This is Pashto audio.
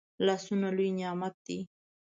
لاسونه لوي نعمت دی